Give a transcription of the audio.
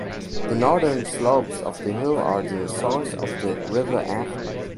The northern slopes of the hill are the source of the River Afton.